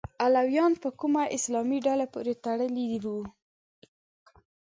علویانو په کومه اسلامي ډلې پورې تړلي وو؟